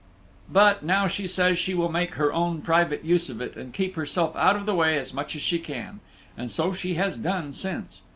But now she says she will make her own private use of it, and keep herself out of the way as much as she can; and so she has done since.